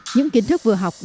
những kiến thức vừa học